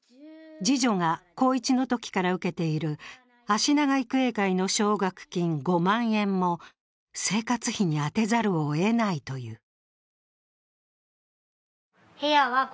次女が高１のときから受けているあしなが育英会の奨学金５万円も生活費に充てざるをえないという。